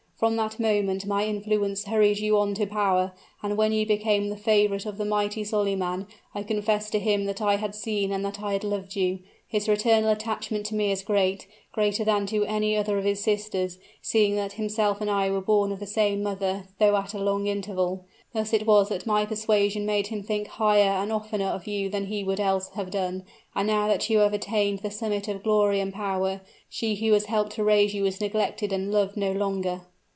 From that moment my influence hurried you on to power and when you became the favorite of the mighty Solyman, I confessed to him that I had seen and that I loved you. His fraternal attachment to me is great greater than to any other of his sisters, seeing that himself and I were born of the same mother, though at a long interval. Thus was it that my persuasion made him think higher and oftener of you than he would else have done and now that you have attained the summit of glory and power, she who has helped to raise you is neglected and loved no longer."